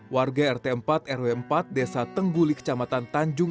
warga rt empat rw empat desa tengguli kecamatan tanjung